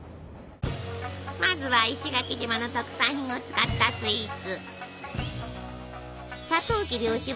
まずは石垣島の特産品を使ったスイーツ！